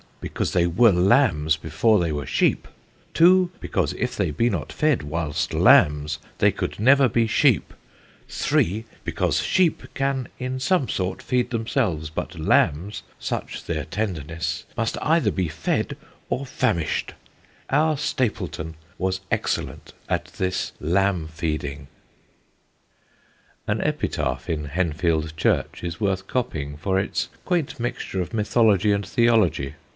Because they were Lambs before they were Sheep. 2. Because, if they be not fed whilst Lambs they could never be Sheep. 3. Because Sheep can in some sort feed themselves; but Lambs (such their tenderness) must either be fed or famished. Our Stapleton was excellent at this Lamb feeding." An epitaph in Henfield Church is worth copying for its quaint mixture of mythology and theology.